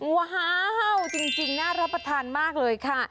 ว้าวจริงน่ารับประทานมากเลยค่ะ